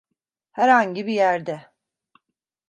Herhangi bir yerde.